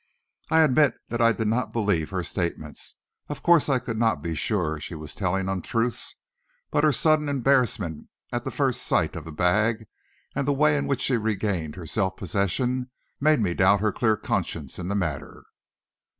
I admit that I did not believe her statements. Of course I could not be sure she was telling untruths, but her sudden embarrassment at the first sight of the bag, and the way in which she regained her self possession, made me doubt her clear conscience in the matter.